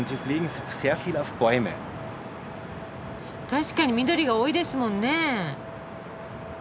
確かに緑が多いですもんね。